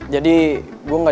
jadi gue gak